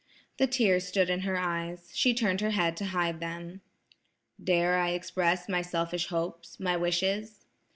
The tears stood in her eyes. She turned her head to hide them. "Dare I express my selfish hopes–my wishes?"